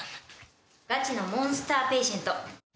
ガチのモンスターペイシェント。